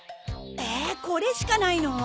えこれしかないの？